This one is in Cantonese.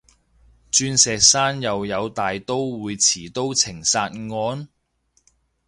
鑽石山又有大刀會持刀情殺案？